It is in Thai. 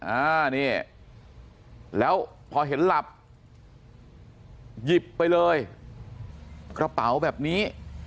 อ่านี่แล้วพอเห็นหลับหยิบไปเลยกระเป๋าแบบนี้